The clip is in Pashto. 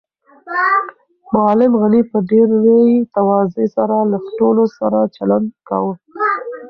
معلم غني په ډېرې تواضع سره له ټولو سره چلند کاوه.